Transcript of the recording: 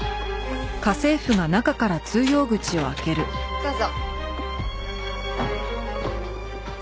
どうぞ。